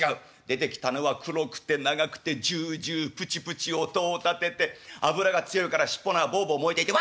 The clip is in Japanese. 出てきたのは黒くて長くてジュージュープチプチ音を立てて脂が強いから尻尾の方はボーボー燃えていて。